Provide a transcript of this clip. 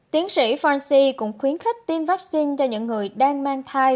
tiến sĩ fanci cũng khuyến khích tiêm vaccine cho những người đang mang thai